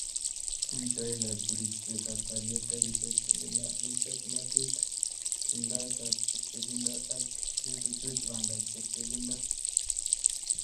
Ofisaekab ribseetab kalyet, garisyek kendeno musoknatetab kiringdaetab chepchebindo asi kechuchuch bandab chepchebindo.